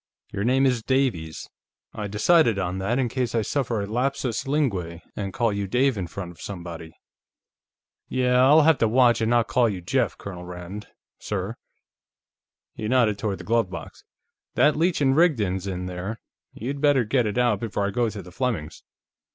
Your name is Davies; I decided on that in case I suffer a lapsus linguæ and call you Dave in front of somebody." "Yeah. I'll have to watch and not call you Jeff, Colonel Rand, sir." He nodded toward the glove box. "That Leech & Rigdon's in there; you'd better get it out before I go to the Flemings'.